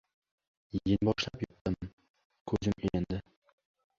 Yenboshlab yotdim-yotdim — ko‘zim ilindi.